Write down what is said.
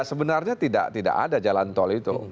sebenarnya tidak ada jalan tol itu